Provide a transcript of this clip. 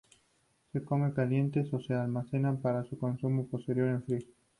Se comen calientes o se almacenan para su consumo posterior en frío.